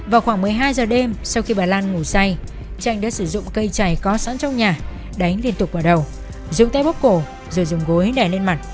vào khoảng một mươi hai giờ đêm sau khi bà lan ngủ say tranh đã sử dụng cây trày có sẵn trong nhà đánh liên tục vào đầu dùng tay bóc cổ rồi dùng gối đè lên mặt